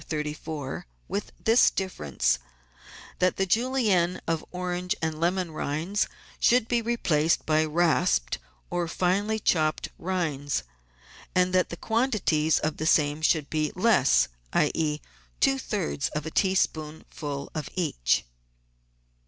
134, with this difference : that the Julienne of orange and lemon rinds should be replaced by rasped or finely chopped rinds, and that the quantities of same should be less, i.e., two thirds of a tea spoonful of each.